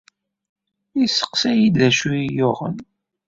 Yesseqsa-iyi-d d acu ay iyi-yuɣen.